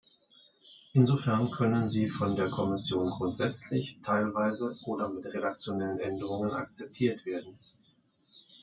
Insofern können sie von der Kommission grundsätzlich, teilweise oder mit redaktionellen Änderungen akzeptiert werden.